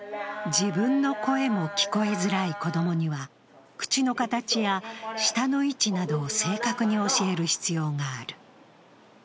自分の声も聞こえづらい子供には、口の形や舌の位置などを正確に教える必要がある。